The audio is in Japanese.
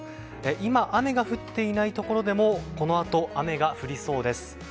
今、雨が降っていないところでもこのあと雨が降りそうです。